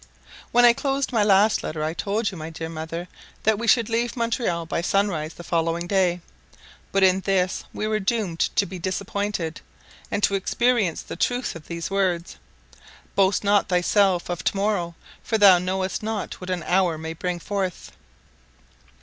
When I closed my last letter I told you, my dear mother, that we should leave Montreal by sunrise the following day; but in this we were doomed to be disappointed, and to experience the truth of these words: "Boast not thyself of to morrow, for thou knowest not what an hour may bring forth."